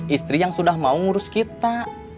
istri yang sudah mau ngurus kita